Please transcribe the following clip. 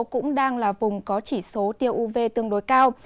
cũng đang là vùng có chỉ số tiêu uv tương đối cao